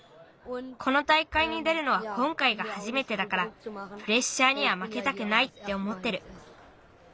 このたいかいに出るのはこんかいがはじめてだからプレッシャーにはまけたくないっておもってる。